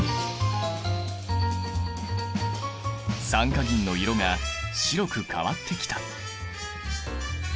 酸化銀の色が白く変わってきた。